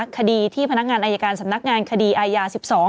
คดีที่พนักงานอายการสำนักงานคดีอายา๑๒